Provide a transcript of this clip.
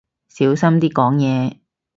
小心啲講嘢